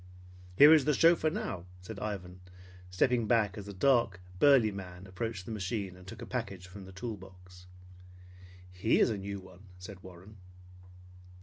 "Here is the chauffeur now," said Ivan, stepping back as a dark, burly man approached the machine and took a package from the tool box. "He is a new one," said Warren.